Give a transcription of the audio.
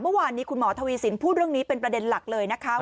เมื่อวานนี้คุณหมอทวีสินพูดเรื่องนี้เป็นประเด็นหลักเลยนะคะ